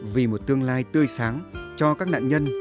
vì một tương lai tươi sáng cho các nạn nhân